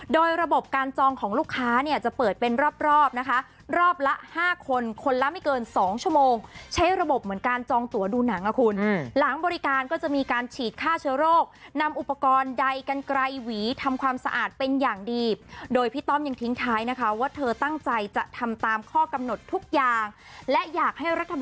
โดยระบบการจองของลูกค้าเนี่ยจะเปิดเป็นรอบรอบนะคะรอบละ๕คนคนละไม่เกิน๒ชั่วโมงใช้ระบบเหมือนการจองตัวดูหนังอ่ะคุณหลังบริการก็จะมีการฉีดฆ่าเชื้อโรคนำอุปกรณ์ใดกันไกลหวีทำความสะอาดเป็นอย่างดีโดยพี่ต้อมยังทิ้งท้ายนะคะว่าเธอตั้งใจจะทำตามข้อกำหนดทุกอย่างและอยากให้รัฐบ